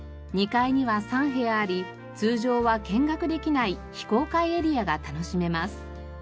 ２階には３部屋あり通常は見学できない非公開エリアが楽しめます。